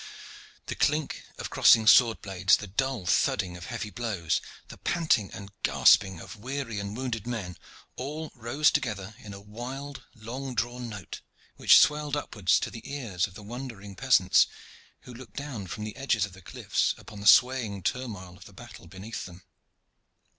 The clink of crossing sword blades, the dull thudding of heavy blows, the panting and gasping of weary and wounded men, all rose together in a wild, long drawn note, which swelled upwards to the ears of the wondering peasants who looked down from the edges of the cliffs upon the swaying turmoil of the battle beneath them.